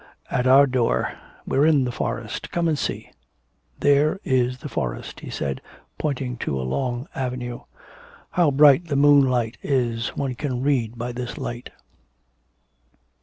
'At our door. We're in the forest. Come and see. There is the forest,' he said, pointing to a long avenue. 'How bright the moonlight is, one can read by this light.'